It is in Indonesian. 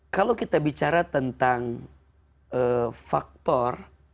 kalau kita bicara tentang faktor